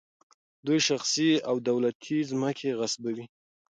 دوی شخصي او دولتي ځمکې غصبوي.